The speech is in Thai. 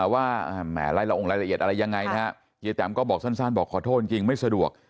แหมไล่ละองรายละเอียดอะไรยังไงนะฮะเฮียแตมก็บอกสั้นบอกขอโทษจริงไม่สะดวก